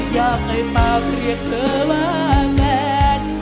อยากไอ้ปากเรียกเหลือว่าแกน